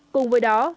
cùng với đó